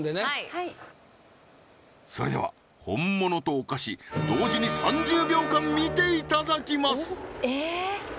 はいそれでは本物とお菓子同時に３０秒間見ていただきますええー？